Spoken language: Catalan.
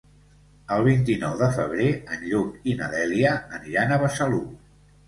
El vint-i-nou de febrer en Lluc i na Dèlia aniran a Besalú.